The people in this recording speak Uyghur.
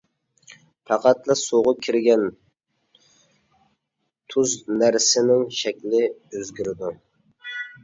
پەقەتلا سۇغا كىرگەن تۈز نەرسىنىڭ شەكلى ئۆزگىرىدۇ.